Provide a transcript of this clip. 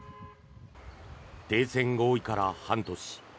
停戦合意から半年。